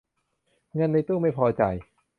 เงินในตู้ไม่พอจ่าย